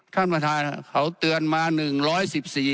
ท่านประธานเขาเตือนมาหนึ่งร้อยสิบสี่